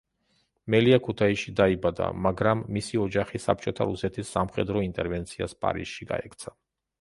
მელია ქუთაისში დაიბადა, მაგრამ მისი ოჯახი საბჭოთა რუსეთის სამხედრო ინტერვენციას პარიზში გაექცა.